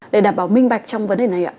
để đảm bảo minh bạch trong vấn đề này ạ